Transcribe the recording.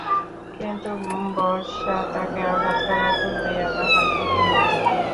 কিন্তু বর্শা তাঁকে আঘাত করার পূর্বেই আবার হাত গুটিয়ে নিত।